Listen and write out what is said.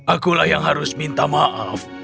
akulah yang harus minta maaf